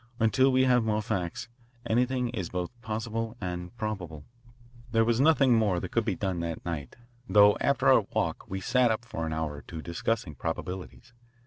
Until we have more facts, anything is both possible and probable." There was nothing more that could be done that night, though after our walk we sat up for an hour or two discussing probabilities.